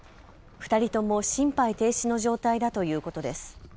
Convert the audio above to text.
２人とも心肺停止の状態だということです。